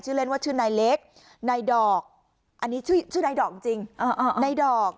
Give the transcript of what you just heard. ชื่อเล่นว่าชื่อไหนเล็กไหนดอกอันนี้ชื่อไหนดอกจริงไหนดอก